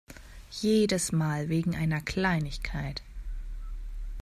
Jedes Mal wegen einer Kleinigkeit.